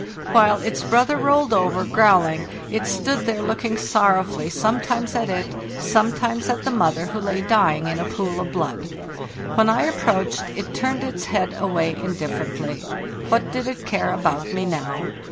While its brother rolled bo FARTH ESL "NORIA over, growling, it stood there looking sorrowfully some times at it, sometimes at the mother, who lay dying in a pool of blood. When I approached, it turned its head away indifferently; what did it care about me now?